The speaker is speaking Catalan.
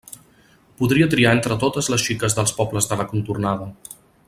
Podria triar entre totes les xiques dels pobles de la contornada.